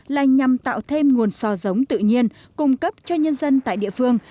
là nhằm tạo thêm nguồn sò giống tự nhiên cung cấp cho nhân dân tại địa phương